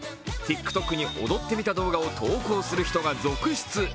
ＴｉｋＴｏｋに踊ってみた動画を投稿する人が続出。